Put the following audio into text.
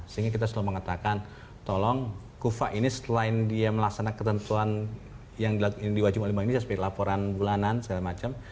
sehingga kita selalu mengingatkan tolong kuva ini setelah melaksanakan ketentuan yang di wajibkan di bank indonesia seperti laporan bulanan segala macam